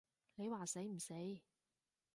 你話死唔死？